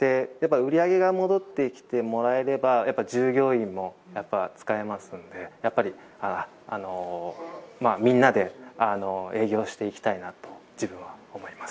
売り上げが戻ってきてもらえれば従業員も使えますんでみんなで営業をしていきたいなと自分は思います。